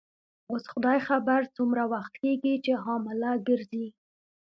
اوس خدای خبر څومره وخت کیږي چي حامله ګرځې.